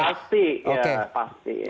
pasti ya pasti